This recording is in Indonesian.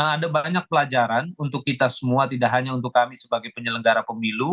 ada banyak pelajaran untuk kita semua tidak hanya untuk kami sebagai penyelenggara pemilu